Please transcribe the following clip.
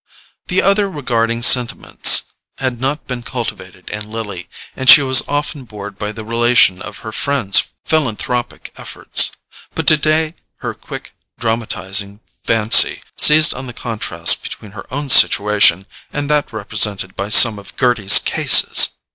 The other regarding sentiments had not been cultivated in Lily, and she was often bored by the relation of her friend's philanthropic efforts, but today her quick dramatizing fancy seized on the contrast between her own situation and that represented by some of Gerty's "cases."